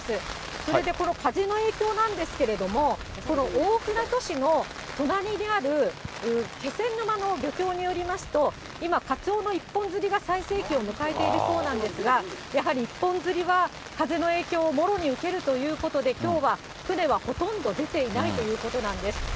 それで、この風の影響なんですけれども、この大船渡市の隣にある気仙沼の漁協によりますと、今、カツオの一本釣りが最盛期を迎えているそうなんですが、やはり一本釣りは風の影響をもろに受けるということで、きょうは、船はほとんど出ていないということなんです。